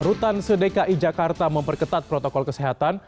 rutan sedekai jakarta memperketat protokol kesehatan